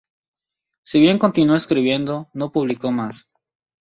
Si bien continuó escribiendo, no publicó más.